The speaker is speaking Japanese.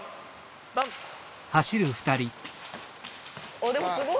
あっでもすごい。